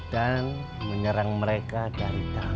dan menyerang mereka dari dalam